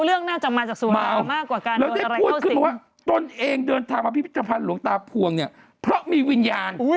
เดี๋ยวนะที่ไม่รู้เรื่องน่าจะมาจากสุรา